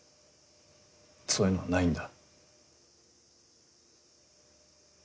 そういうのはないんだ。